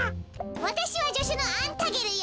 わたしはじょしゅのアンタゲルよ。